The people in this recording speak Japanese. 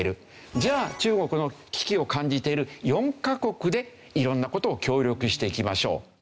じゃあ中国の危機を感じている４カ国で色んな事を協力していきましょう。